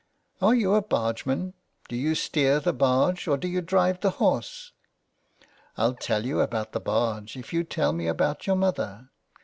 " Are you a bargeman ? Do you steer the barge or do you drive the horse ?"'' I'll tell you about the barge if you'll tell me about your mother.